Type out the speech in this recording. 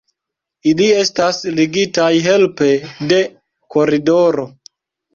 Ili estas ligitaj helpe de koridoro.